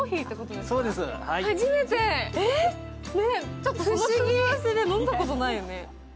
ちょっとこの組み合わせで飲んだことないよね。